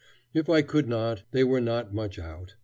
If I could not, they were not much out.